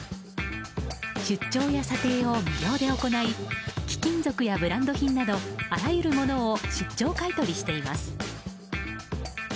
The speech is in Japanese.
出張や査定を無料で行い貴金属やブランド品などあらゆるものを出張買い取りしています。